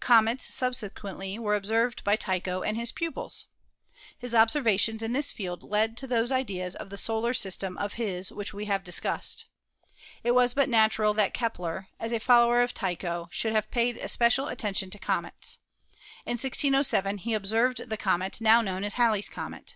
Comets subsequently were observed by Tycho and his pupils. His observations in this field led to those ideas of the solar system of his which we have discussed. It was but natural that Kepler, as a follower of Tycho, should have paid especial attention to comets. In 1607 he observed the comet now known as Halley's comet.